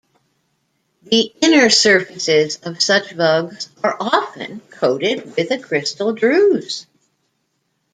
The inner surfaces of such vugs are often coated with a crystal druse.